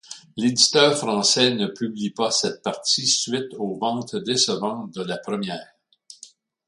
L'éditeur français ne publie pas cette partie suite aux ventes décevantes de la première.